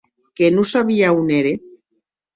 Que non sabia a on ère.